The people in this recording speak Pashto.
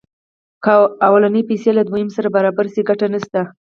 که لومړنۍ پیسې له دویمې سره برابرې شي ګټه نشته